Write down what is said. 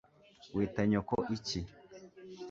Wita nyoko iki